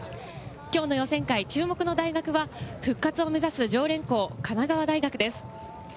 きょうの予選会、注目の大学は、復活を目指す常連校、神奈川大学です。